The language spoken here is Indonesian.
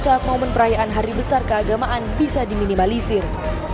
saat momen perayaan hari besar keagamaan bisa diminimalisir